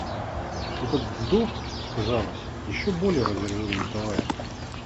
Этот вздох, казалось, еще более раздражил Николая.